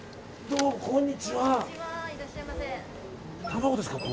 どうも、こんにちは。